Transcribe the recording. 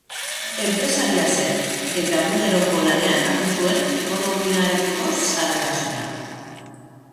Enpresaria zen, eta eguneroko lanean hartu zuen ekonomiarekiko zaletasuna.